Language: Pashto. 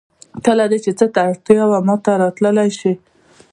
کله چې دې څه ته اړتیا وه ماته راتللی شې